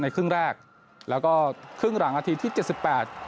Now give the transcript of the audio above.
ในครึ่งแรกแล้วก็ก็ครึ่งหลังอาทิตย์เจ็ดสิบแปด